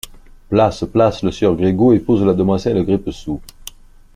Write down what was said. Place! place ! le sieur Grigou épouse la demoiselle Grippesou.